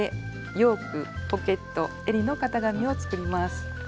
ヨークポケットえりの型紙を作ります。